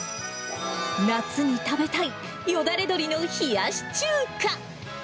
夏に食べたいよだれ鶏の冷やし中華。